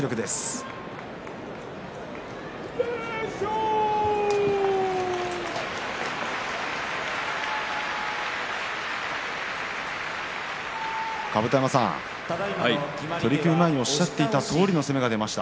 拍手甲山さん、取組前におっしゃっていたとおりの相撲になりました。